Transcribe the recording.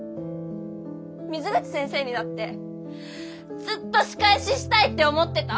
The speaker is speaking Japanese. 水口先生にだってずっと仕返ししたいって思ってた。